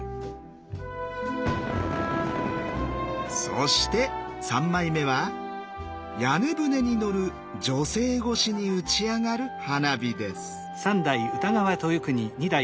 そして３枚目は屋根船に乗る女性越しに打ち上がる花火です。